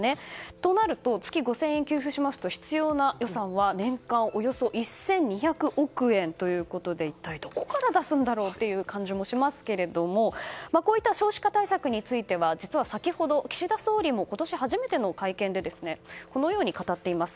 となると、月５０００円を給付しますと必要な予算は年間およそ１２００億円ということで一体、どこから出すんだろうという感じもしますがこういった少子化対策については実は、先ほど岸田総理も今年初めての会見でこのように語っています。